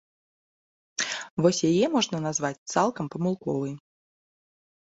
Вось яе можна назваць цалкам памылковай.